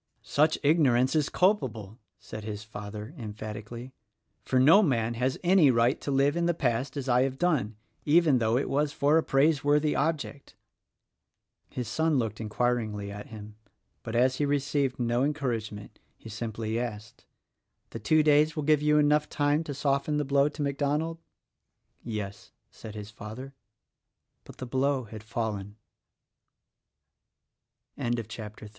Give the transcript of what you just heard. _ "Such ignorance is culpable!" said his father, emphat ically, "for no man has any right to live in the past as I have done— even though it was for a praiseworthy object." His son looked inquiringly at him ; but, as he received no encouragement, he simply asked, "The two days will give you time enough to soften the blow to MacDonald?" "Yes," said his father. But the blozo had fallen. CHAPTER IV.